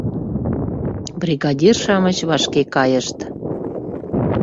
Бригадир-шамыч вашке кайышт.